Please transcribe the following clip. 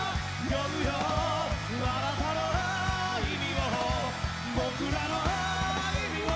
「あなたの意味を僕らの意味を」